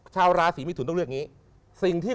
ชาวราศรีมิถุต้องเลือกอย่างนี้